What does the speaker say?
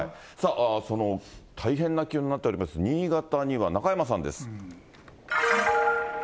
その大変な気温になっております、新潟には中山さんです。